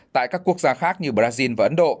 tại các quốc gia khác như brazil và ấn độ